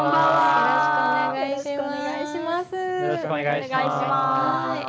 よろしくお願いします。